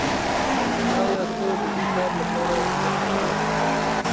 آیا ته د دې کار لپاره همت لرې؟